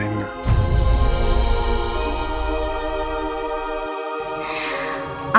sebelumnya dia sudah menangani kliennya